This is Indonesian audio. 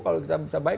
kalau kita bisa baik